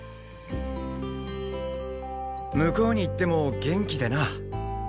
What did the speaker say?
向こうに行っても元気でな。